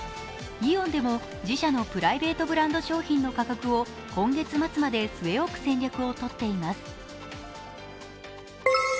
イオンでも自社のプライベートブランド商品の価格を今月末まで据え置く戦略をとっています。